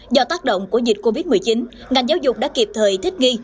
do tác động của dịch covid một mươi chín ngành giáo dục đã kịp thời thích nghi